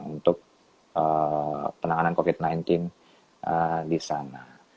untuk penanganan covid sembilan belas di sana